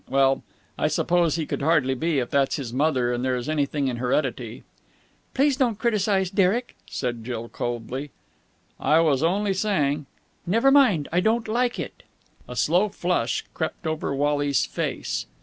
Well, I suppose he could hardly be, if that's his mother and there is anything in heredity." "Please don't criticise Derek," said Jill coldly. "I was only saying...." "Never mind. I don't like it." A slow flush crept over Wally's face.